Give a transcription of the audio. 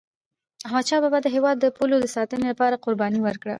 احمدشاه بابا د هیواد د پولو د ساتني لپاره قرباني ورکړه.